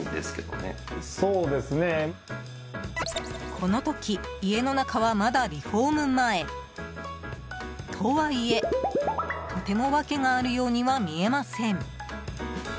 この時、家の中はまだリフォーム前。とはいえ、とても訳があるようには見えません。